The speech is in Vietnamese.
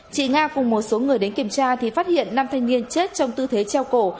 chị nga cùng một số người đến kiểm tra thì phát hiện năm thanh niên chết trong tư thế treo cổ